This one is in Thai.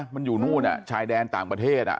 มันอยู่นู่นชายแดนต่างประเทศ